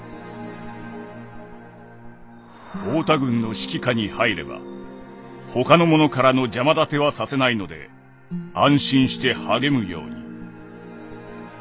「太田軍の指揮下に入れば他の者からの邪魔立てはさせないので安心して励むように」。